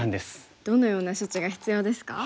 どのような処置が必要ですか？